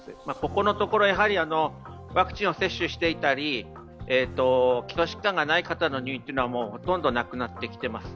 ここのところワクチンを接種していたり基礎疾患のない人の入院というのはほとんどなくなってきています。